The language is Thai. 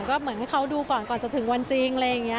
ก็เหมือนให้เขาดูก่อนก่อนจะถึงวันจริง